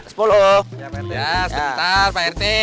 sebentar pak rt